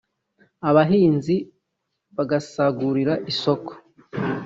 abahinzi basagurira isoko